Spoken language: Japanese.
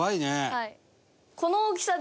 はい。